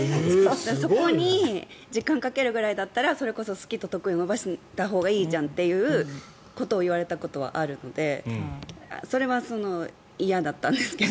そこに時間かけるぐらいだったらそれこそ好きと得意を伸ばしたほうがいいじゃんということを言われたことはあるので偉いね。